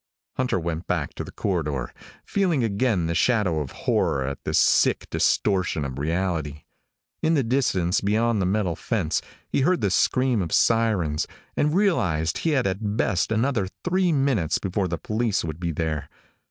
Hunter went back to the corridor, feeling again the shadow of horror at this sick distortion of reality. In the distance, beyond the metal fence, he heard the scream of sirens, and realized he had at best another three minutes before the police would be there.